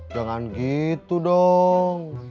jangan begitu dong